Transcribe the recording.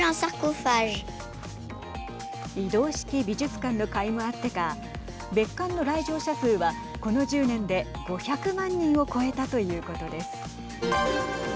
移動式美術館のかいもあってか別館の来場者数はこの１０年で５００万人を超えたということです。